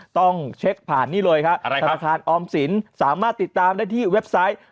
ต้องเช็คผ่านนี่เลยครับธนาคารออมสินสามารถติดตามได้ที่เว็บไซต์